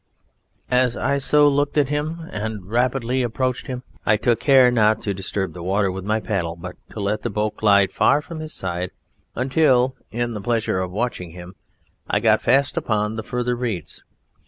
As I so looked at him and rapidly approached him I took care not to disturb the water with my paddle, but to let the boat glide far from his side, until in the pleasure of watching him, I got fast upon the further reeds.